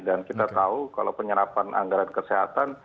dan kita tahu kalau penyerapan anggaran kesehatan itu tidak akan berhasil